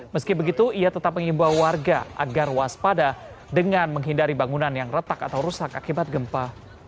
meski begitu ia tetap mengimbau warga agar waspada dengan menghindari bangunan yang retak atau rusak akibat gempa